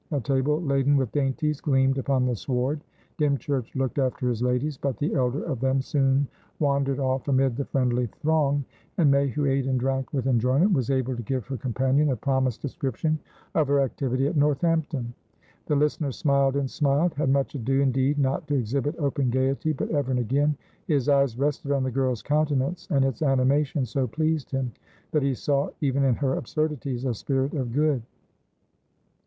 A table laden with dainties gleamed upon the sward. Dymchurch looked after his ladies; but the elder of them soon wandered off amid the friendly throng, and May, who ate and drank with enjoyment, was able to give her companion the promised description of her activity at Northampton. The listener smiled and smiled; had much ado, indeed, not to exhibit open gaiety; but ever and again his eyes rested on the girl's countenance, and its animation so pleased him that he saw even in her absurdities a spirit of good.